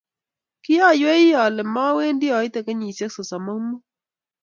Kiaiywechi ole mowendi aite kenyisiek sosom ak muut.